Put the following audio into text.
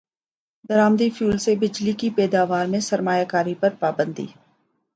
درامدی fuel سے بجلی کی پیداوار میں سرمایہ کاری پر پابندی